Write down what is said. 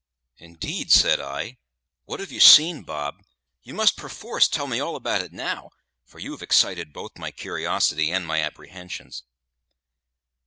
"Indeed," said I, "what have you seen, Bob? You must perforce tell me all about it now, for you have excited both my curiosity and my apprehensions."